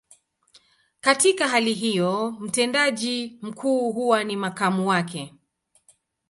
Katika hali hiyo, mtendaji mkuu huwa ni makamu wake.